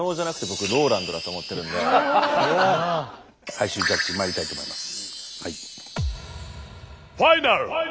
最終ジャッジにまいりたいと思います。